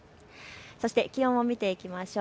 そして気温を見ていきましょう。